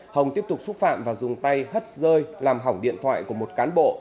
hồng tiếp tục xúc phạm và dùng tay hất rơi làm hỏng điện thoại của một cán bộ